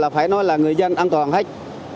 phải nói là người dân an toàn hết